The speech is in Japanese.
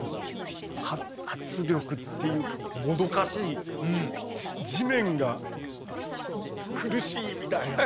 圧力っていうかもどかしい地面が苦しいみたいな。